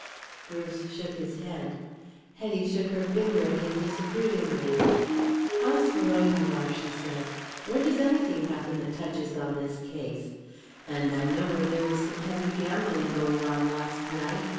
Bruce shook his head. Hetty shook her finger at him disapprovingly. "How slow you are," she said. "Where does anything happen that touches on this case? And I know where there was some heavy gambling going on last night.